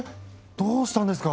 どうしたんですか？